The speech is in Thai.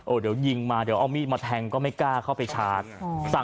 เดี๋ยวยิงมาเดี๋ยวเอามีดมาแทงก็ไม่กล้าเข้าไปชาร์จ